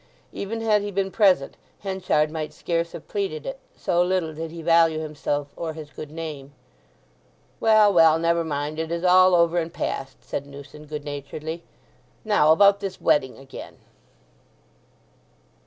Even had he been present Henchard might scarce have pleaded it, so little did he value himself or his good name. "Well, well—never mind—it is all over and past," said Newson good naturedly. "Now, about this wedding again."